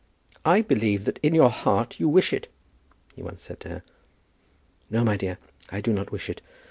"I believe that in your heart you wish it," he once said to her. "No, my dear, I do not wish it.